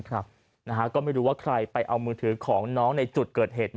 ก็ไม่รู้ว่าใครไปเอามือถือของน้องในจุดเกิดเหตุ